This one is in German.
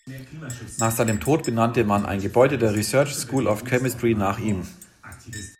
Nach seinem Tod benannte man ein Gebäude der "Research School of Chemistry" nach ihm.